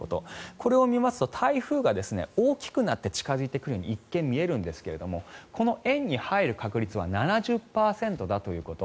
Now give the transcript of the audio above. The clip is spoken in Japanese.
これを見ますと台風が大きくなって近付いてくるように見えるんですがこの円に入る確率は７０％だということ。